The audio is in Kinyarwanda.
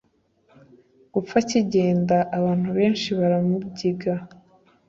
gupfa Akigenda abantu benshi baramubyiga